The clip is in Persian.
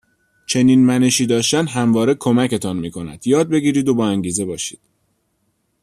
چنین منشی داشتن همواره کمکتان میکند یادگیرید و با انگیزه باشید.